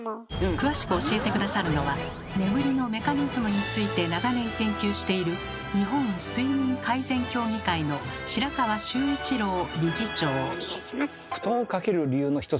詳しく教えて下さるのは眠りのメカニズムについて長年研究している布団をかける理由の一つはですね